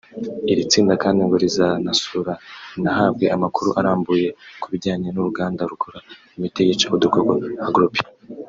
Iri tsinda kandi ngo rizanasura rinahabwe amakuru arambuye ku bijyanye n’uruganda rukora imiti yica udukoko Agropy